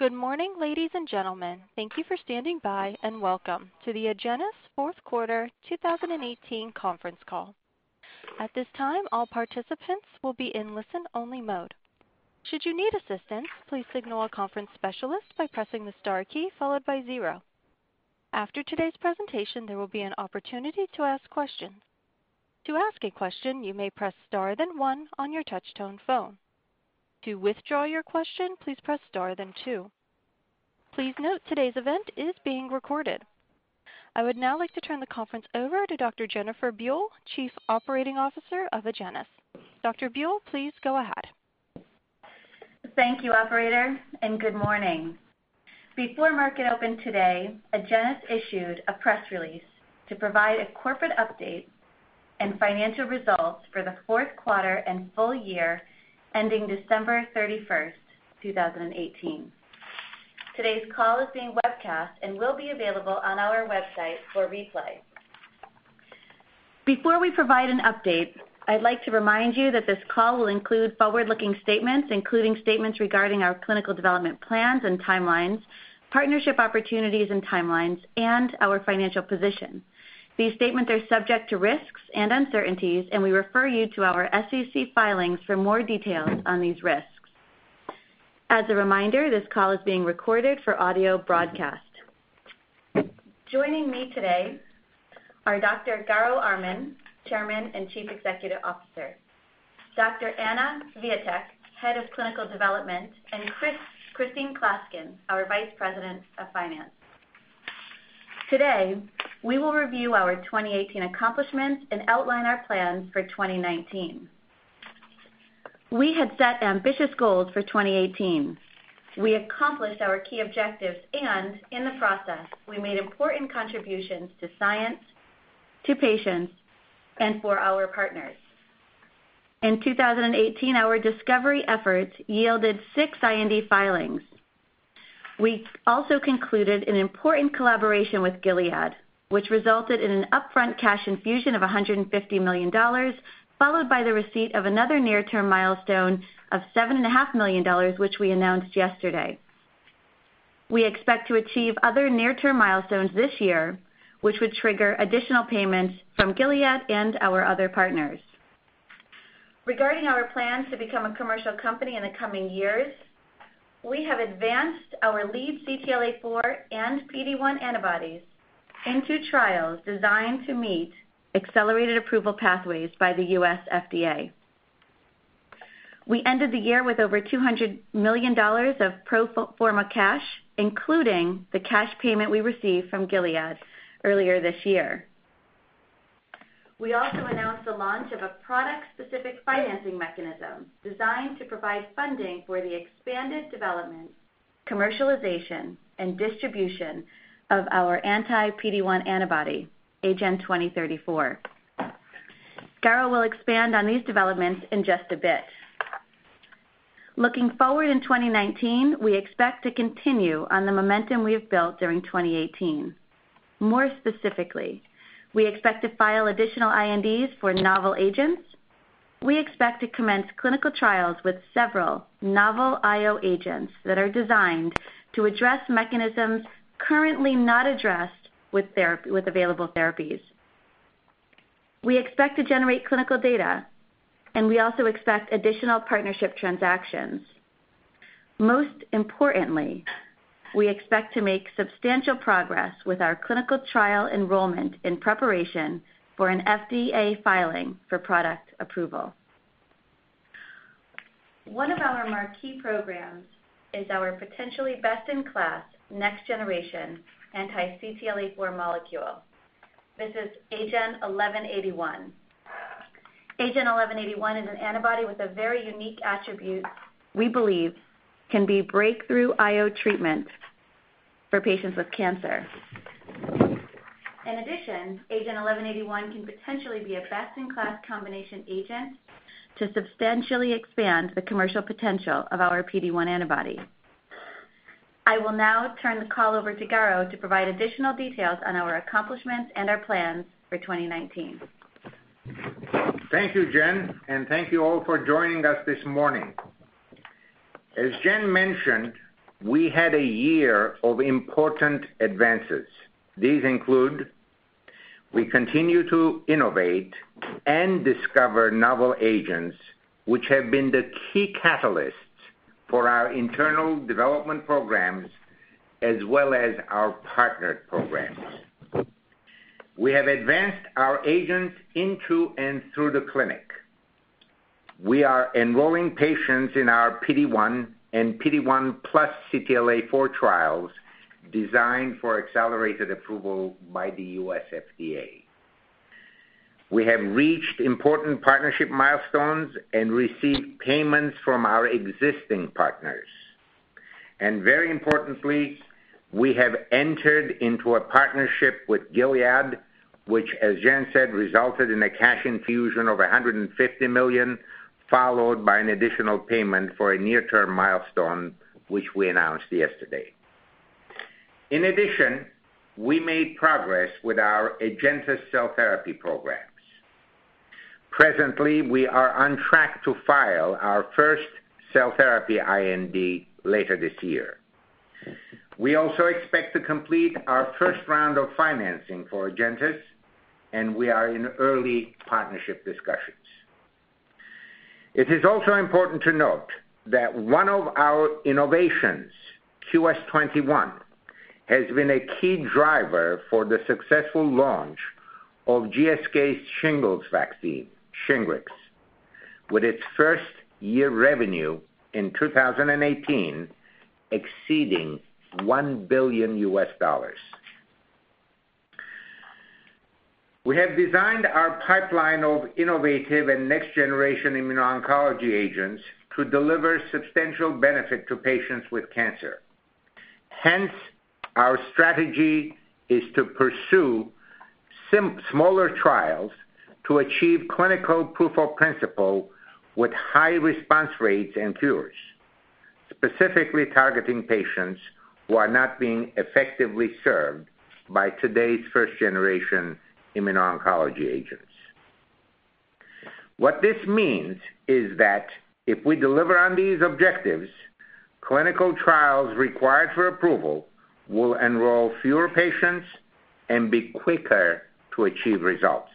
Good morning, ladies and gentlemen. Thank you for standing by, and welcome to the Agenus fourth quarter 2018 conference call. At this time, all participants will be in listen-only mode. Should you need assistance, please signal a conference specialist by pressing the star key followed by zero. After today's presentation, there will be an opportunity to ask questions. To ask a question, you may press star then one on your touch tone phone. To withdraw your question, please press star then two. Please note, today's event is being recorded. I would now like to turn the conference over to Dr. Jennifer Buell, Chief Operating Officer of Agenus. Dr. Buell, please go ahead. Thank you, operator. Good morning. Before market open today, Agenus issued a press release to provide a corporate update and financial results for the fourth quarter and full year ending December 31st, 2018. Today's call is being webcast and will be available on our website for replay. Before we provide an update, I'd like to remind you that this call will include forward-looking statements, including statements regarding our clinical development plans and timelines, partnership opportunities and timelines, and our financial position. These statements are subject to risks and uncertainties. We refer you to our SEC filings for more details on these risks. As a reminder, this call is being recorded for audio broadcast. Joining me today are Dr. Garo Armen, Chairman and Chief Executive Officer, Dr. Anna Wijatyk, Head of Clinical Development, and Christine Klaskin, our Vice President of Finance. Today, we will review our 2018 accomplishments and outline our plans for 2019. We had set ambitious goals for 2018. We accomplished our key objectives. In the process, we made important contributions to science, to patients, and for our partners. In 2018, our discovery efforts yielded six IND filings. We also concluded an important collaboration with Gilead, which resulted in an upfront cash infusion of $150 million, followed by the receipt of another near-term milestone of $7.5 million, which we announced yesterday. We expect to achieve other near-term milestones this year, which would trigger additional payments from Gilead and our other partners. Regarding our plans to become a commercial company in the coming years, we have advanced our lead CTLA-4 and PD-1 antibodies into trials designed to meet accelerated approval pathways by the U.S. FDA. We ended the year with over $200 million of pro forma cash, including the cash payment we received from Gilead earlier this year. We also announced the launch of a product-specific financing mechanism designed to provide funding for the expanded development, commercialization, and distribution of our anti-PD-1 antibody, AGEN2034. Garo will expand on these developments in just a bit. Looking forward in 2019, we expect to continue on the momentum we have built during 2018. More specifically, we expect to file additional INDs for novel agents. We expect to commence clinical trials with several novel IO agents that are designed to address mechanisms currently not addressed with available therapies. We expect to generate clinical data. We also expect additional partnership transactions. Most importantly, we expect to make substantial progress with our clinical trial enrollment in preparation for an FDA filing for product approval. One of our marquee programs is our potentially best-in-class next generation anti-CTLA-4 molecule. This is AGEN1181. AGEN1181 is an antibody with a very unique attribute we believe can be breakthrough IO treatment for patients with cancer. In addition, AGEN1181 can potentially be a best-in-class combination agent to substantially expand the commercial potential of our PD-1 antibody. I will now turn the call over to Garo to provide additional details on our accomplishments and our plans for 2019. Thank you, Jen, and thank you all for joining us this morning. As Jen mentioned, we had a year of important advances. These include we continue to innovate and discover novel agents, which have been the key catalysts for our internal development programs as well as our partnered programs. We have advanced our agents into and through the clinic. We are enrolling patients in our PD-1 and PD-1 plus CTLA-4 trials designed for accelerated approval by the U.S. FDA. We have reached important partnership milestones and received payments from our existing partners. Very importantly, we have entered into a partnership with Gilead, which, as Jen said, resulted in a cash infusion of $150 million, followed by an additional payment for a near-term milestone, which we announced yesterday. In addition, we made progress with our AgenTus cell therapy programs. Presently, we are on track to file our first cell therapy IND later this year. We also expect to complete our first round of financing for AgenTus, and we are in early partnership discussions. It is also important to note that one of our innovations, QS-21, has been a key driver for the successful launch of GSK's shingles vaccine, SHINGRIX, with its first-year revenue in 2018 exceeding $1 billion. We have designed our pipeline of innovative and next-generation immuno-oncology agents to deliver substantial benefit to patients with cancer. Hence, our strategy is to pursue smaller trials to achieve clinical proof of principle with high response rates and cures, specifically targeting patients who are not being effectively served by today's first-generation immuno-oncology agents. What this means is that if we deliver on these objectives, clinical trials required for approval will enroll fewer patients and be quicker to achieve results.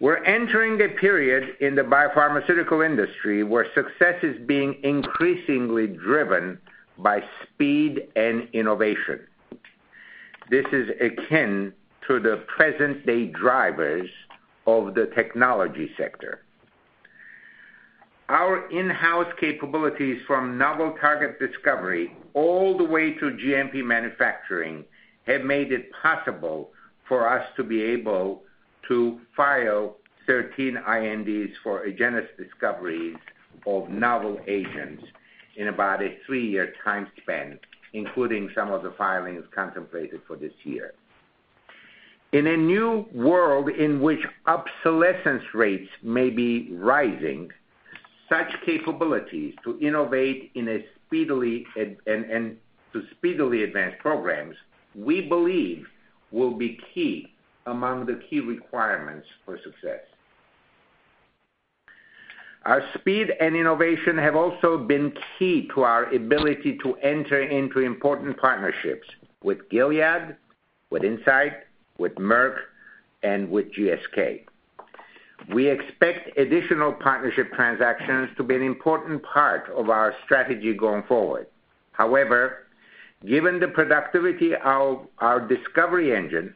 We're entering a period in the biopharmaceutical industry where success is being increasingly driven by speed and innovation. This is akin to the present-day drivers of the technology sector. Our in-house capabilities from novel target discovery all the way to GMP manufacturing have made it possible for us to be able to file 13 INDs for AgenTus discoveries of novel agents in about a three-year time span, including some of the filings contemplated for this year. In a new world in which obsolescence rates may be rising, such capabilities to innovate and to speedily advance programs, we believe will be key among the key requirements for success. Our speed and innovation have also been key to our ability to enter into important partnerships with Gilead, with Incyte, with Merck, and with GSK. We expect additional partnership transactions to be an important part of our strategy going forward. However, given the productivity of our discovery engine,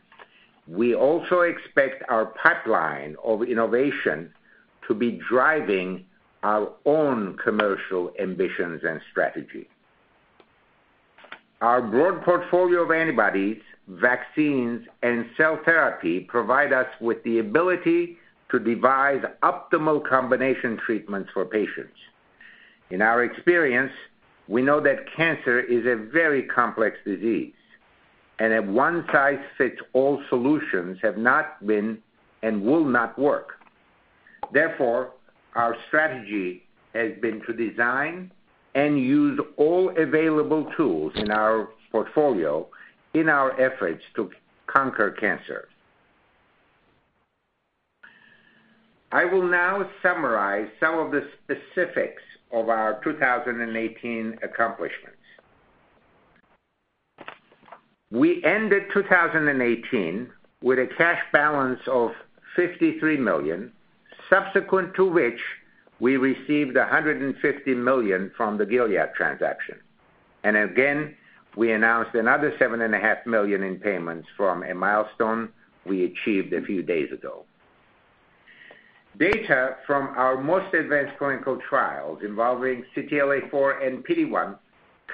we also expect our pipeline of innovation to be driving our own commercial ambitions and strategy. Our broad portfolio of antibodies, vaccines, and cell therapy provide us with the ability to devise optimal combination treatments for patients. In our experience, we know that cancer is a very complex disease and a one-size-fits-all solutions have not been and will not work. Therefore, our strategy has been to design and use all available tools in our portfolio in our efforts to conquer cancer. I will now summarize some of the specifics of our 2018 accomplishments. We ended 2018 with a cash balance of $53 million, subsequent to which we received $150 million from the Gilead transaction. Again, we announced another $7.5 million in payments from a milestone we achieved a few days ago. Data from our most advanced clinical trials involving CTLA-4 and PD-1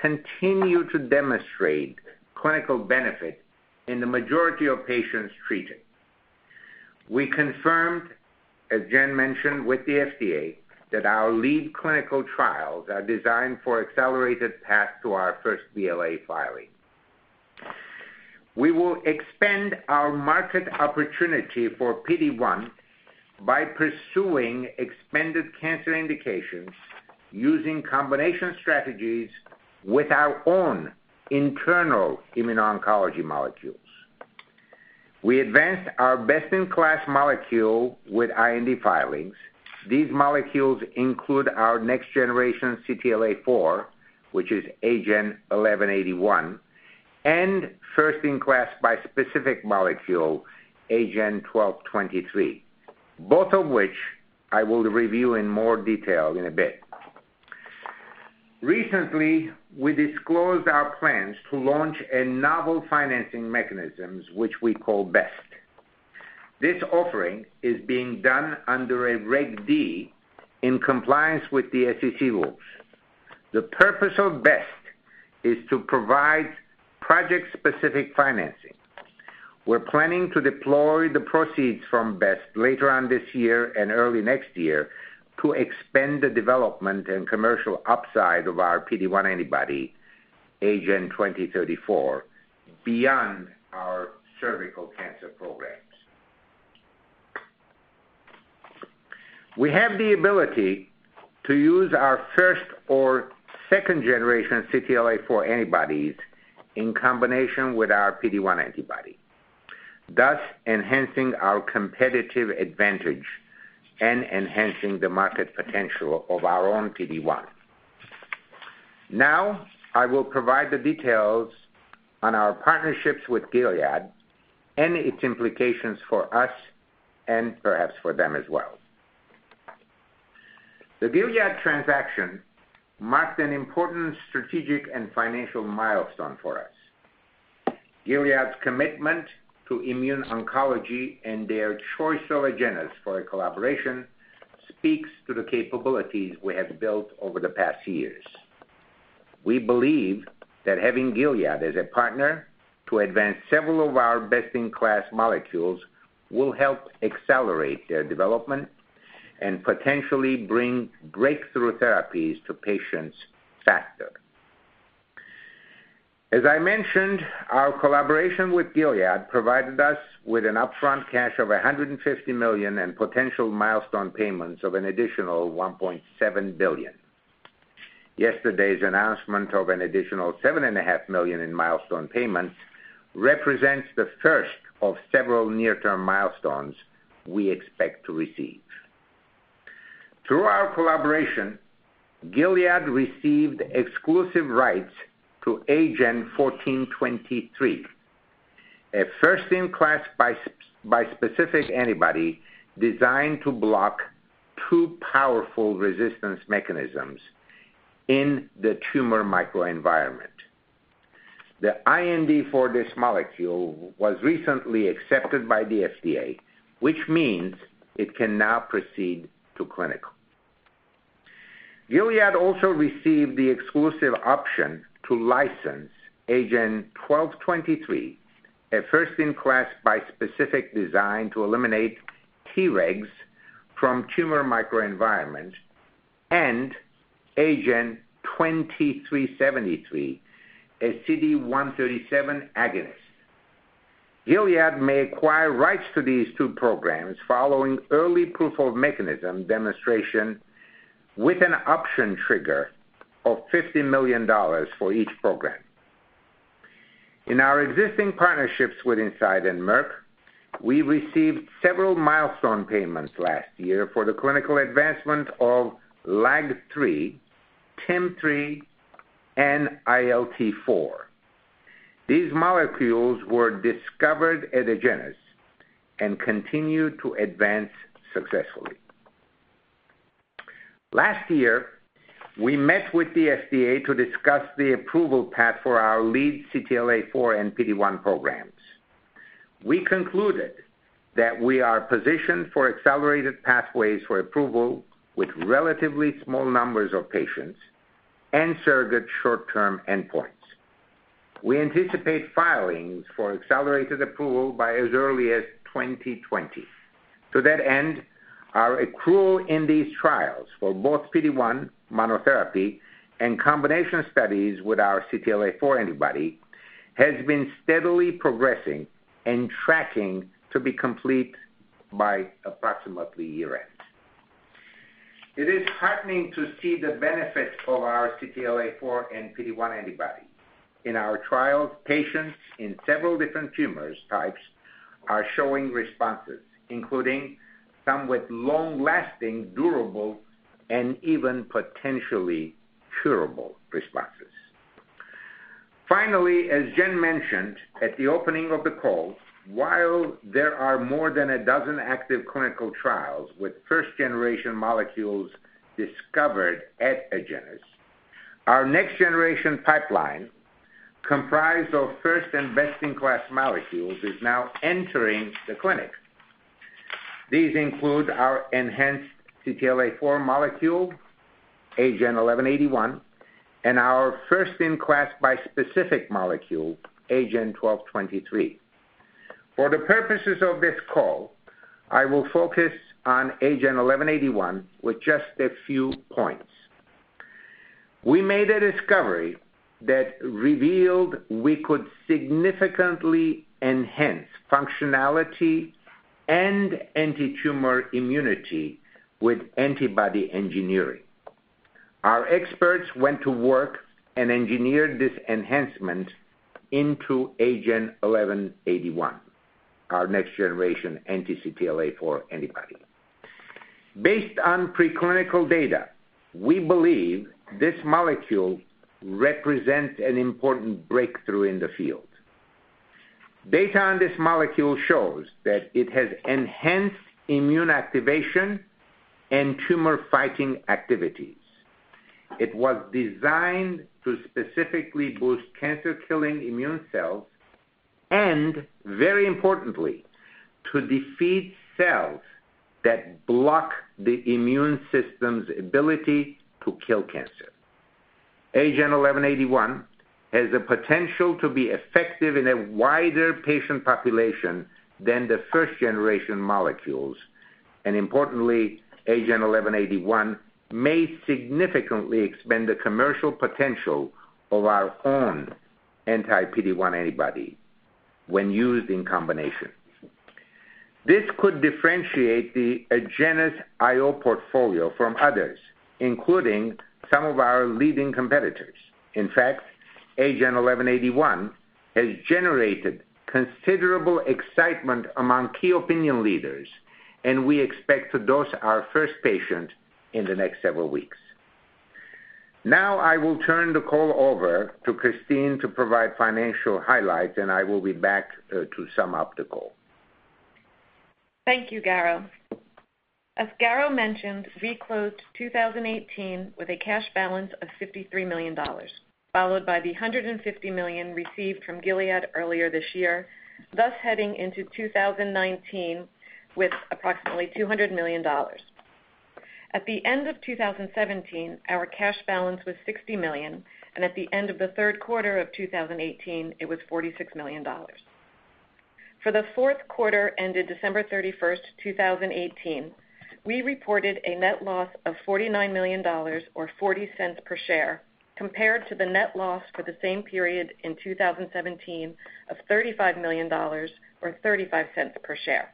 continue to demonstrate clinical benefit in the majority of patients treated. We confirmed, as Jen mentioned, with the FDA that our lead clinical trials are designed for accelerated path to our first BLA filing. We will expand our market opportunity for PD-1 by pursuing expanded cancer indications using combination strategies with our own internal immuno-oncology molecules. We advanced our best-in-class molecule with IND filings. These molecules include our next generation CTLA-4, which is AGEN1181, and first-in-class bispecific molecule, AGEN1223, both of which I will review in more detail in a bit. Recently, we disclosed our plans to launch a novel financing mechanisms, which we call BEST. This offering is being done under a Reg D in compliance with the SEC rules. The purpose of BEST is to provide project-specific financing. We're planning to deploy the proceeds from BEST later on this year and early next year to expand the development and commercial upside of our PD-1 antibody, AGEN2034, beyond our cervical cancer programs. We have the ability to use our first or second generation CTLA-4 antibodies in combination with our PD-1 antibody, thus enhancing our competitive advantage and enhancing the market potential of our own PD-1. I will provide the details on our partnerships with Gilead and its implications for us and perhaps for them as well. The Gilead transaction marked an important strategic and financial milestone for us. Gilead's commitment to immuno-oncology and their choice of Agenus for a collaboration speaks to the capabilities we have built over the past years. We believe that having Gilead as a partner to advance several of our best-in-class molecules will help accelerate their development and potentially bring breakthrough therapies to patients faster. As I mentioned, our collaboration with Gilead provided us with an upfront cash of $150 million and potential milestone payments of an additional $1.7 billion. Yesterday's announcement of an additional $7.5 million in milestone payments represents the first of several near-term milestones we expect to receive. Through our collaboration, Gilead received exclusive rights to AGEN1423, a first-in-class bispecific antibody designed to block two powerful resistance mechanisms in the tumor microenvironment. The IND for this molecule was recently accepted by the FDA, which means it can now proceed to clinical. Gilead also received the exclusive option to license AGEN1223, a first-in-class bispecific design to eliminate Tregs from tumor microenvironments, and AGEN2373, a CD137 agonist. Gilead may acquire rights to these two programs following early proof of mechanism demonstration with an option trigger of $50 million for each program. In our existing partnerships with Incyte and Merck, we received several milestone payments last year for the clinical advancement of LAG-3, TIM-3, and ILT4. These molecules were discovered at Agenus and continue to advance successfully. Last year, we met with the FDA to discuss the approval path for our lead CTLA-4 and PD-1 programs. We concluded that we are positioned for accelerated pathways for approval with relatively small numbers of patients and surrogate short-term endpoints. We anticipate filings for accelerated approval by as early as 2020. To that end, our accrual in these trials for both PD-1 monotherapy and combination studies with our CTLA-4 antibody has been steadily progressing and tracking to be complete by approximately year-end. It is heartening to see the benefits of our CTLA-4 and PD-1 antibody. In our trials, patients in several different tumor types are showing responses, including some with long-lasting durable and even potentially curable responses. As Jen mentioned at the opening of the call, while there are more than a dozen active clinical trials with first-generation molecules discovered at Agenus, our next-generation pipeline, comprised of first- and best-in-class molecules, is now entering the clinic. These include our enhanced CTLA-4 molecule, AGEN1181, and our first-in-class bispecific molecule, AGEN1223. For the purposes of this call, I will focus on AGEN1181 with just a few points. We made a discovery that revealed we could significantly enhance functionality and antitumor immunity with antibody engineering. Our experts went to work and engineered this enhancement into AGEN1181, our next-generation anti-CTLA-4 antibody. Based on preclinical data, we believe this molecule represents an important breakthrough in the field. Data on this molecule shows that it has enhanced immune activation and tumor-fighting activities. It was designed to specifically boost cancer-killing immune cells and, very importantly, to defeat cells that block the immune system's ability to kill cancer. AGEN1181 has the potential to be effective in a wider patient population than the first-generation molecules, and importantly, AGEN1181 may significantly expand the commercial potential of our own anti-PD-1 antibody when used in combination. This could differentiate the Agenus IO portfolio from others, including some of our leading competitors. In fact, AGEN1181 has generated considerable excitement among key opinion leaders, and we expect to dose our first patient in the next several weeks. I will turn the call over to Christine to provide financial highlights, and I will be back to sum up the call. Thank you, Garo. As Garo mentioned, we closed 2018 with a cash balance of $53 million, followed by the $150 million received from Gilead earlier this year, thus heading into 2019 with approximately $200 million. At the end of 2017, our cash balance was $60 million, and at the end of the third quarter of 2018, it was $46 million. For the fourth quarter ended December 31st, 2018, we reported a net loss of $49 million or $0.40 per share, compared to the net loss for the same period in 2017 of $35 million or $0.35 per share.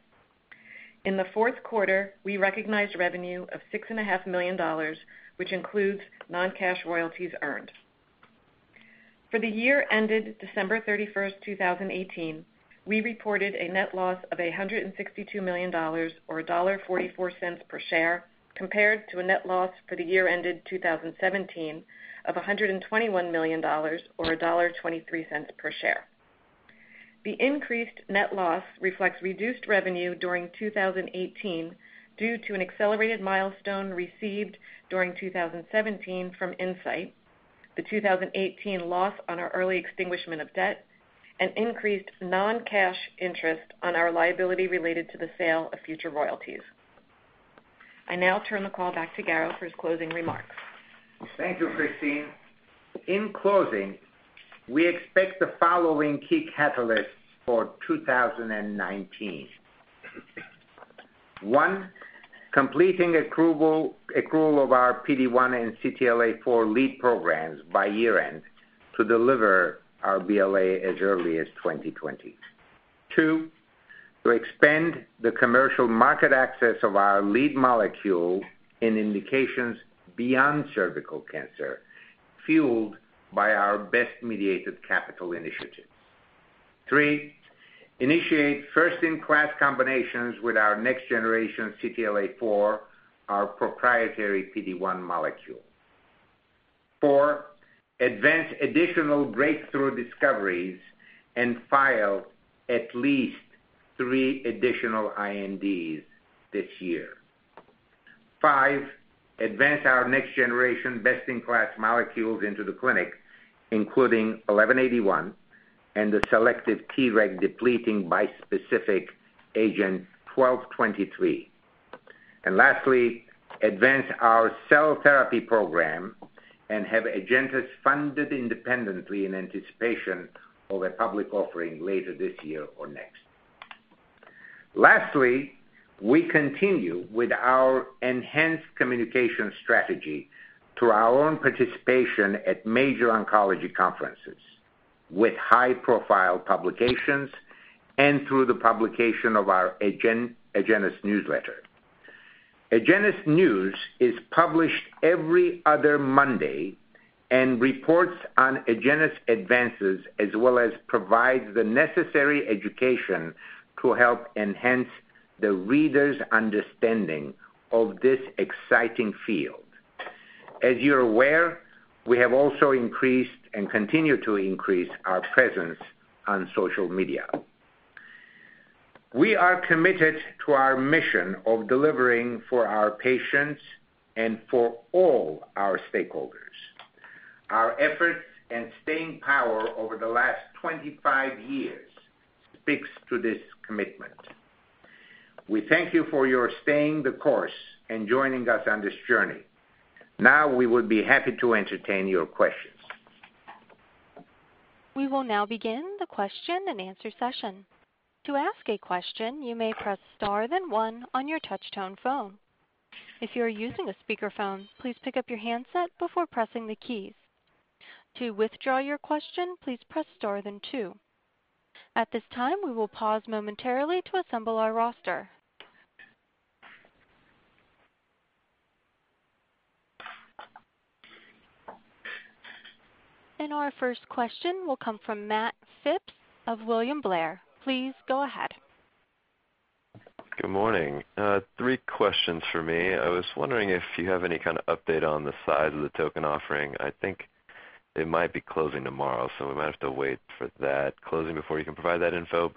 In the fourth quarter, we recognized revenue of $6.5 million, which includes non-cash royalties earned. For the year ended December 31st, 2018, we reported a net loss of $162 million or $1.44 per share, compared to a net loss for the year ended 2017 of $121 million or $1.23 per share. The increased net loss reflects reduced revenue during 2018 due to an accelerated milestone received during 2017 from Incyte, the 2018 loss on our early extinguishment of debt, and increased non-cash interest on our liability related to the sale of future royalties. I now turn the call back to Garo for his closing remarks. Thank you, Christine. In closing, we expect the following key catalysts for 2019. One, completing accrual of our PD-1 and CTLA-4 lead programs by year-end to deliver our BLA as early as 2020. Two, to expand the commercial market access of our lead molecule in indications beyond cervical cancer, fueled by our BEST-mediated capital initiatives. Three, initiate first-in-class combinations with our next generation CTLA-4, our proprietary PD-1 molecule. Four, advance additional breakthrough discoveries and file at least three additional INDs this year. Five, advance our next generation best-in-class molecules into the clinic, including 1181 and the selective Treg depleting bispecific agent AGEN1223. Lastly, advance our cell therapy program and have AgenTus funded independently in anticipation of a public offering later this year or next. Lastly, we continue with our enhanced communication strategy through our own participation at major oncology conferences with high-profile publications and through the publication of our Agenus newsletter. Agenus News is published every other Monday and reports on Agenus advances as well as provides the necessary education to help enhance the reader's understanding of this exciting field. As you're aware, we have also increased and continue to increase our presence on social media. We are committed to our mission of delivering for our patients and for all our stakeholders. Our efforts and staying power over the last 25 years speaks to this commitment. We thank you for your staying the course and joining us on this journey. Now, we would be happy to entertain your questions. We will now begin the question and answer session. To ask a question, you may press star then one on your touch tone phone. If you are using a speakerphone, please pick up your handset before pressing the keys. To withdraw your question, please press star then two. At this time, we will pause momentarily to assemble our roster. Our first question will come from Matt Phipps of William Blair. Please go ahead. Good morning. three questions from me. I was wondering if you have any kind of update on the size of the token offering. I think they might be closing tomorrow, so we might have to wait for that closing before you can provide that info.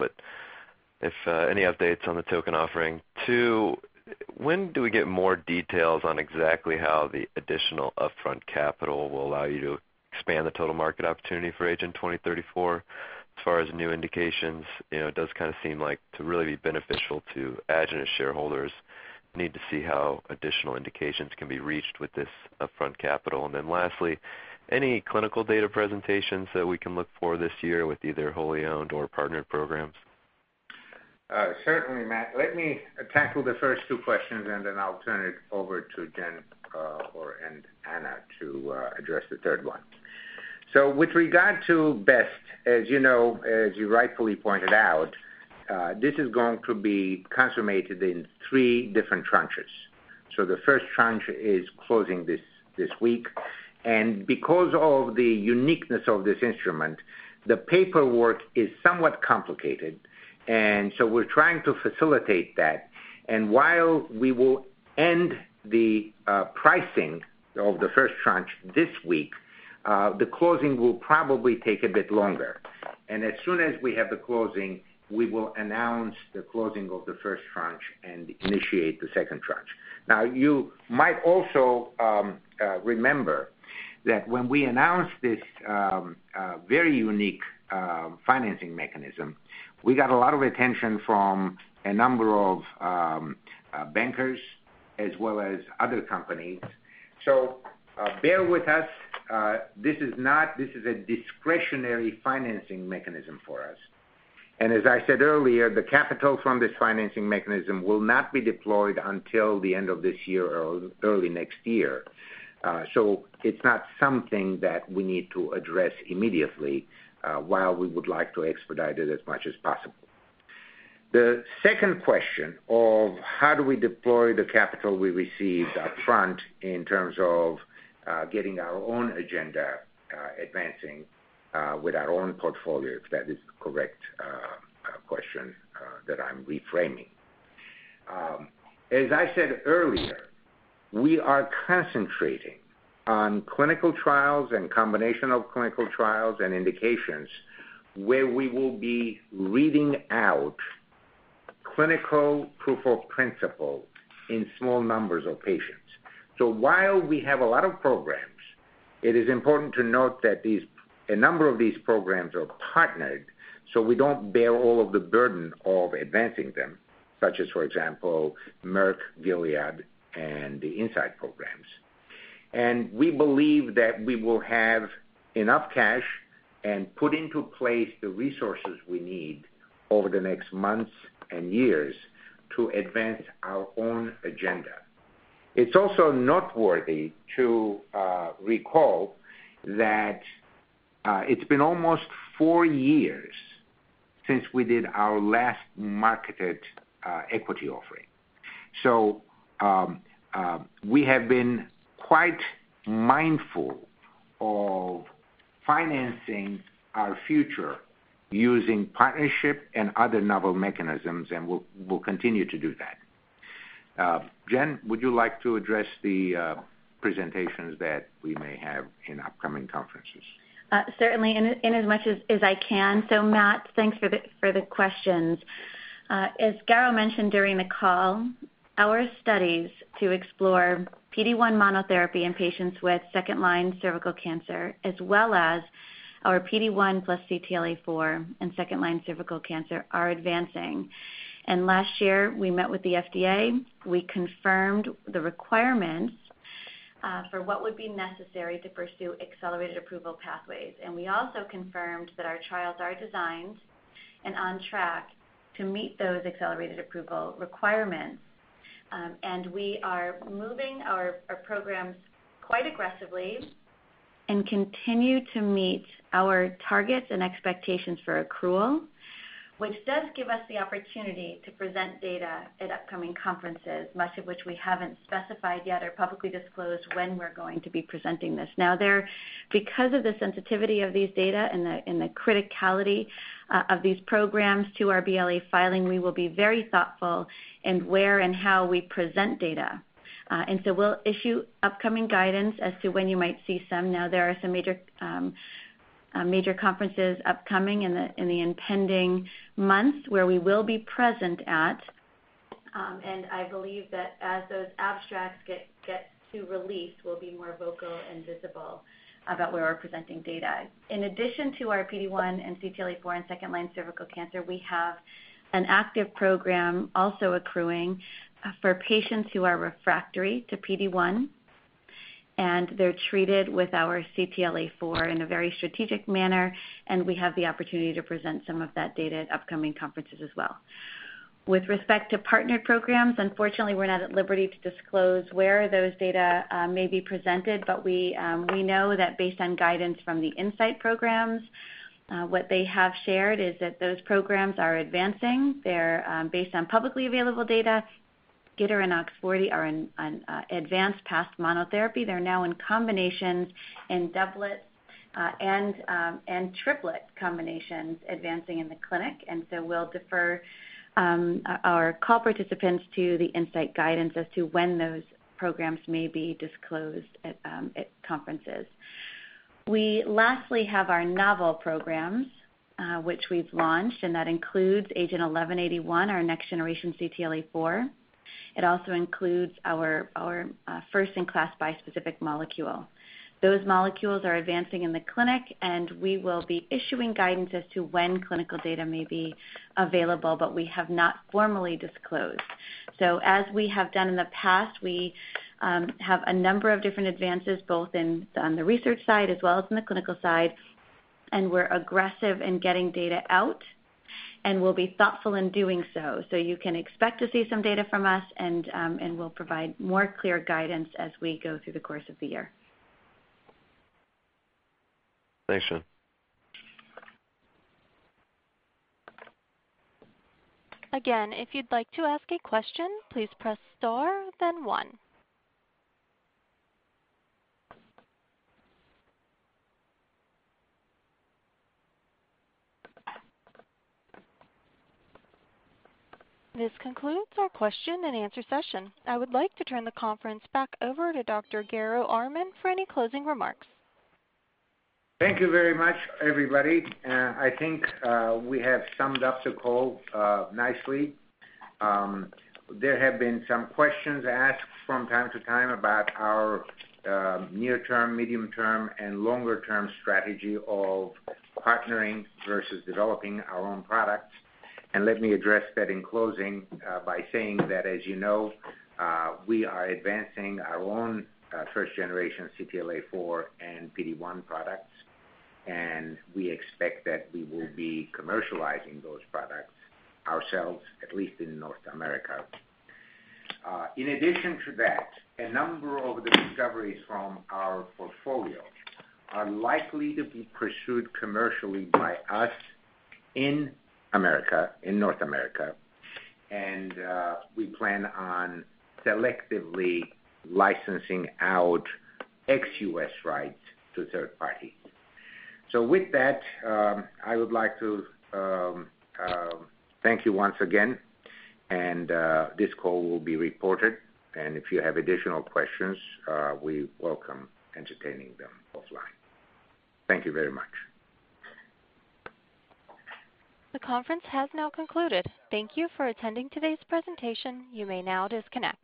If any updates on the token offering. Two, when do we get more details on exactly how the additional upfront capital will allow you to expand the total market opportunity for AGEN2034 as far as new indications? It does kind of seem like to really be beneficial to Agenus shareholders need to see how additional indications can be reached with this upfront capital. Then lastly, any clinical data presentations that we can look for this year with either wholly owned or partnered programs? Certainly, Matt. Let me tackle the first two questions. Then I'll turn it over to Jen and Anna to address the third one. With regard to BEST, as you rightfully pointed out, this is going to be consummated in three different tranches. The first tranche is closing this week. Because of the uniqueness of this instrument, the paperwork is somewhat complicated. We're trying to facilitate that. While we will end the pricing of the first tranche this week, the closing will probably take a bit longer. As soon as we have the closing, we will announce the closing of the first tranche and initiate the second tranche. You might also remember that when we announced this very unique financing mechanism, we got a lot of attention from a number of bankers as well as other companies. Bear with us. This is a discretionary financing mechanism for us. As I said earlier, the capital from this financing mechanism will not be deployed until the end of this year or early next year. It's not something that we need to address immediately, while we would like to expedite it as much as possible. The second question of how do we deploy the capital we received up front in terms of getting our own agenda advancing with our own portfolio, if that is the correct question that I'm reframing. As I said earlier, we are concentrating on clinical trials and combination of clinical trials and indications where we will be reading out clinical proof of principle in small numbers of patients. While we have a lot of programs, it is important to note that a number of these programs are partnered, so we don't bear all of the burden of advancing them, such as, for example, Merck, Gilead, and the Incyte programs. We believe that we will have enough cash and put into place the resources we need over the next months and years to advance our own agenda. It's also noteworthy to recall that it's been almost four years since we did our last marketed equity offering. We have been quite mindful of financing our future using partnership and other novel mechanisms, and we'll continue to do that. Jen, would you like to address the presentations that we may have in upcoming conferences? Certainly, in as much as I can. Matt, thanks for the questions. As Garo mentioned during the call, our studies to explore PD-1 monotherapy in patients with second-line cervical cancer, as well as our PD-1 plus CTLA-4 in second-line cervical cancer, are advancing. Last year, we met with the FDA. We confirmed the requirements for what would be necessary to pursue accelerated approval pathways. We also confirmed that our trials are designed and on track to meet those accelerated approval requirements. We are moving our programs quite aggressively and continue to meet our targets and expectations for accrual, which does give us the opportunity to present data at upcoming conferences, much of which we haven't specified yet or publicly disclosed when we're going to be presenting this. Because of the sensitivity of these data and the criticality of these programs to our BLA filing, we will be very thoughtful in where and how we present data. We'll issue upcoming guidance as to when you might see some. There are some major conferences upcoming in the impending months where we will be present at. I believe that as those abstracts get to release, we'll be more vocal and visible about where we're presenting data. In addition to our PD-1 and CTLA-4 in second-line cervical cancer, we have an active program also accruing for patients who are refractory to PD-1, and they're treated with our CTLA-4 in a very strategic manner, and we have the opportunity to present some of that data at upcoming conferences as well. With respect to partnered programs, unfortunately, we're not at liberty to disclose where those data may be presented, but we know that based on guidance from the Incyte programs, what they have shared is that those programs are advancing. They're based on publicly available data. GITR and OX40 are advanced past monotherapy. They're now in combinations in doublet and triplet combinations advancing in the clinic. We'll defer our call participants to the Incyte guidance as to when those programs may be disclosed at conferences. We lastly have our novel programs, which we've launched, and that includes AGEN1181, our next generation CTLA-4. It also includes our first-in-class bispecific molecule. Those molecules are advancing in the clinic, and we will be issuing guidance as to when clinical data may be available, but we have not formally disclosed. As we have done in the past, we have a number of different advances, both on the research side as well as on the clinical side. We're aggressive in getting data out, and we'll be thoughtful in doing so. You can expect to see some data from us, and we'll provide more clear guidance as we go through the course of the year. Thanks, Jennifer. If you'd like to ask a question, please press star one. This concludes our question and answer session. I would like to turn the conference back over to Dr. Garo Armen for any closing remarks. Thank you very much, everybody. I think we have summed up the call nicely. There have been some questions asked from time to time about our near-term, medium-term, and longer-term strategy of partnering versus developing our own products. Let me address that in closing by saying that, as you know, we are advancing our own first generation CTLA-4 and PD-1 products, and we expect that we will be commercializing those products ourselves, at least in North America. In addition to that, a number of the discoveries from our portfolio are likely to be pursued commercially by us in North America, and we plan on selectively licensing out ex-U.S. rights to a third party. With that, I would like to thank you once again, and this call will be recorded. If you have additional questions, we welcome entertaining them offline. Thank you very much. The conference has now concluded. Thank you for attending today's presentation. You may now disconnect.